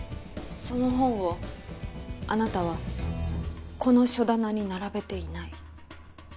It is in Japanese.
その本をあなたはこの書棚に並べていない。